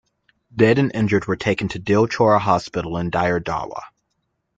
Dead and injured were taken to Dil-chora Hospital in Dire Dawa.